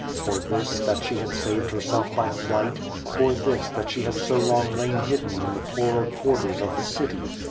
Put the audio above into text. For this that she had saved herself by flight? For this that she had so long lain hidden in the ]K)orer quarters of the city?